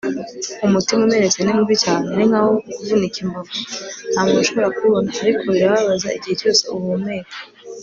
umutima umenetse ni mubi cyane. ninkaho kuvunika imbavu. nta muntu ushobora kubibona, ariko birababaza igihe cyose uhumeka